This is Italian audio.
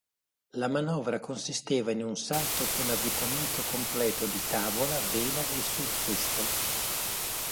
La manovra consisteva in un salto con avvitamento completo di tavola, vela e surfista.